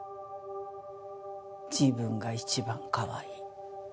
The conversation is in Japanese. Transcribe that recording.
自分が一番かわいい。